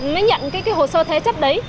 mới nhận cái hồ sơ thế chấp đấy